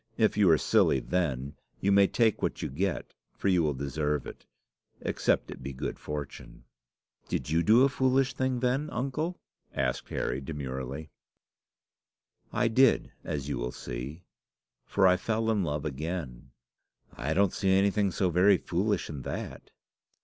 If you are silly then, you may take what you get, for you will deserve it except it be good fortune." "Did you do a foolish thing then, uncle?" asked Harry, demurely. "I did, as you will see; for I fell in love again." "I don't see anything so very foolish in that."